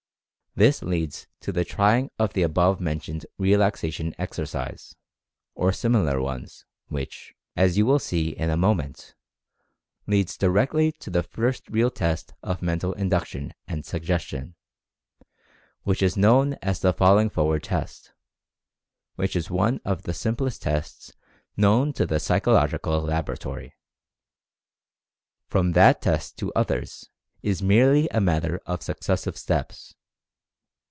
This leads to the trying of the above mentioned Relaxation Exercise, or similar ones, which, as you will see in a moment, leads directly to the first real test of Mental Induction and Suggestion, which is known as the "Falling Forward Test," and which is one of the simplest tests known to the psychological laboratory. From that test to others, it is merely a matter of suc cessive steps.